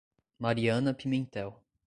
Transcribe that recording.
Mariana Pimentel